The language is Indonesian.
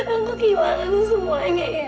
aku kibangan semuanya ya